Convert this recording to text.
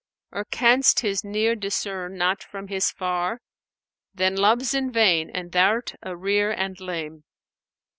Or canst His near discern not from His far? * Then Love's in vain and thou'rt a rear and lame.